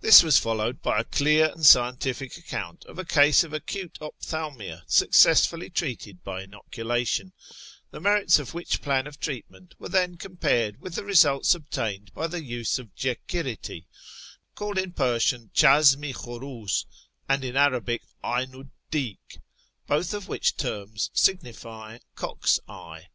This was followed by a clear and scientific account of a case of acute ophthalmia successfully treated by inoculation, the merits of which plan of treatment were then compared with the results obtained by the use of jequirity, called in Persian chashm i kJmrils, and in Arabic 'aynu 'd dik, both of which terms signify "cock's eye."